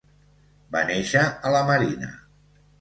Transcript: Va néixer a la Marina.